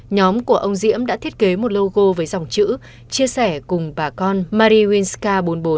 nhóm của ông diễm đã thiết kế một logo với dòng chữ chia sẻ cùng bà con marinska bốn mươi bốn